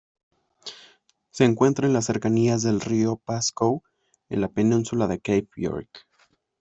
Se encuentra en las cercanías del río Pascoe en la península de Cape York.